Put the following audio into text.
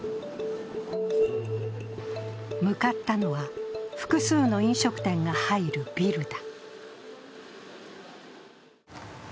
向かったのは複数の飲食店が入るビルだ。